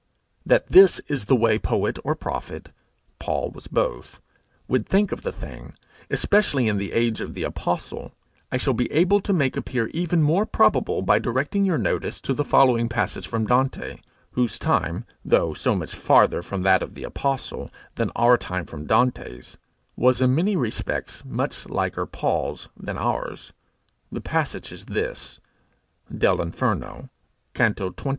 That this is the way poet or prophet Paul was both would think of the thing, especially in the age of the apostle, I shall be able to make appear even more probable by directing your notice to the following passage from Dante whose time, though so much farther from that of the apostle than our time from Dante's, was in many respects much liker Paul's than ours. The passage is this: Dell' Inferno: Canto xxiii.